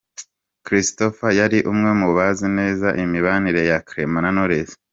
Christopher yari umwe mubazi neza imibanire ya Clement na Knowless .